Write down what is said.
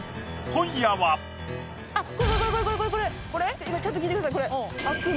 今ちょっと聞いてください